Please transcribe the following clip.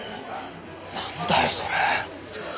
なんだよそれ！